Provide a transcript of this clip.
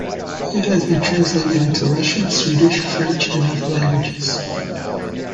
It has been translated into Russian, Swedish, French, and other languages.